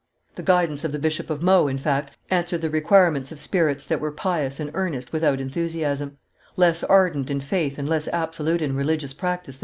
The guidance of the Bishop of Meaux, in fact, answered the requirements of spirits that were pious and earnest without enthusiasm: less ardent in faith and less absolute in religious practice than M.